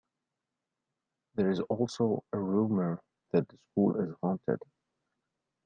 There is also a rumour that the school is haunted.